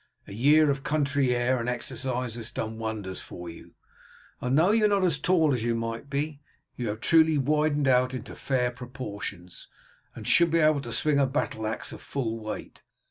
A year of country air and exercise has done wonders for you, and though you are not as tall as you might be, you have truly widened out into fair proportions, and should be able to swing a battle axe of full weight.